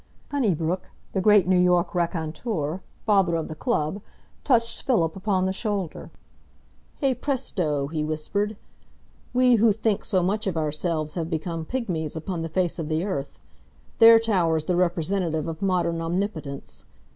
Honeybrook, the great New York raconteur, father of the club, touched Philip upon the shoulder. "Hey, presto!" he whispered. "We who think so much of ourselves have become pigmies upon the face of the earth. There towers the representative of modern omnipotence.